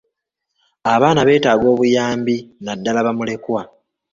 Abaana beetaaga obuyambi naddaala bamulekwa.